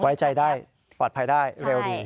ไว้ใจได้ปลอดภัยได้เร็วดี